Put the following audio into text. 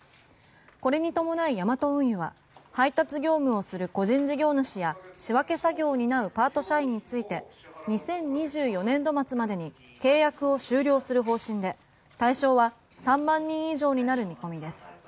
これに伴いヤマト運輸は配達業務をする個人事業主や仕分け作業を担うパート社員について２０２４年度末までに契約を終了する方針で対象は３万人以上になる見込みです。